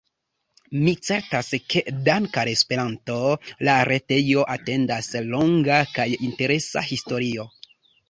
Mi certas, ke dank' al Esperanto la retejon atendas longa kaj interesa historio.